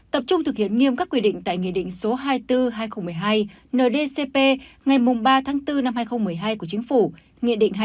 tập trung thực hiện nghiêm các quy định tại nghị định số hai mươi bốn hai nghìn một mươi hai ndcp ngày ba tháng bốn năm hai nghìn một mươi hai của chính phủ nghị định hai mươi bốn